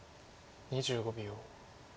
２５秒。